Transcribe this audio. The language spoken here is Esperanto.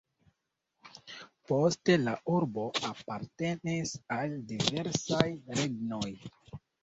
Poste la urbo apartenis al diversaj regnoj.